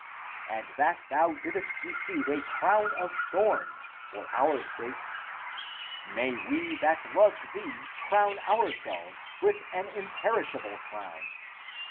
And that thou didst receive a crown of thorns " for our sakes, may we that loved thee crown ourselves with an imperishable crown!